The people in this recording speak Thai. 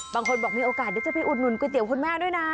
บางคนบอกมีโอกาสเดี๋ยวจะไปอุดหนุนก๋วเตี๋ยคุณแม่ด้วยนะ